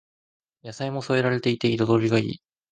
野菜も添えられていて彩りがいい